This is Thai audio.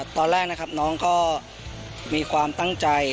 ตอนแรกน้องก็มีความตั้งใจ